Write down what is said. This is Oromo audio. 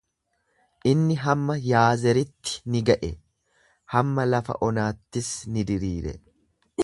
Inni hamma Yaazeritti ni ga'e, hamma lafa onaattis ni diriire.